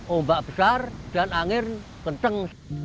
ombak besar dan angin kencang